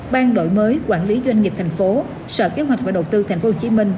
ban đội mới quản lý doanh nghiệp tp hcm sở kế hoạch và đầu tư tp hcm